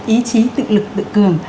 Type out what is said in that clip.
ý chí tự lực tự cường